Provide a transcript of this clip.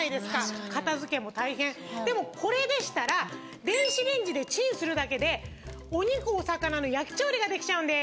でもこれでしたら電子レンジでチンするだけでお肉お魚の焼き調理ができちゃうんです。